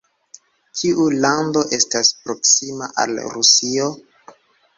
Kiu lando estas proksima al Rusio?